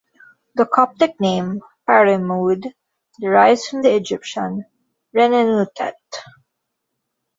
The Coptic name "Paremoude" derives from the Egyptian Renenutet.